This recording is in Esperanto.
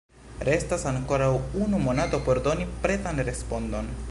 Restas ankoraŭ unu monato por doni pretan respondon.